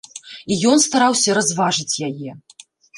І ён стараўся разважыць яе.